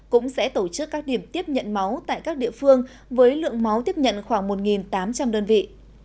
cũng sẽ tổ chức các điểm tiếp nhận máu tại các địa phương với lượng máu tiếp nhận khoảng một tám trăm linh đơn vị